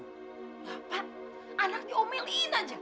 bapak anak diomelin aja